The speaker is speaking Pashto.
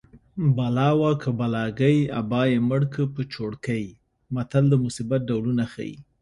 بلا وه که بلاګۍ ابا یې مړکه په چوړکۍ متل د مصیبت ډولونه ښيي